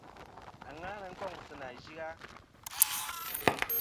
Àŋena nɨn kôŋ sɨ nà yɨ-a.